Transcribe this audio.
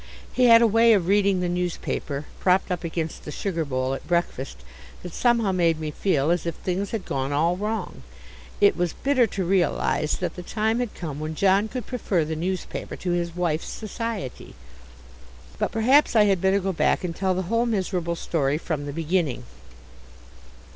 He had a way of reading the newspaper, propped up against the sugar bowl, at breakfast, that somehow made me feel as if things had gone all wrong. It was bitter to realize that the time had come when John could prefer the newspaper to his wife's society. But perhaps I had better go back and tell the whole miserable story from the beginning.